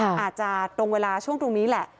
อาจจะตรงเวลาช่วงตรงนี้แหละ